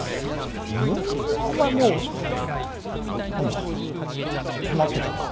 入門はお前もう何だ待ってたのか？